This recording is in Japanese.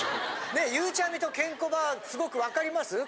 ゆうちゃみとケンコバはすごく分かります？